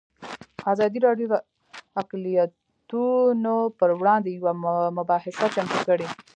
ازادي راډیو د اقلیتونه پر وړاندې یوه مباحثه چمتو کړې.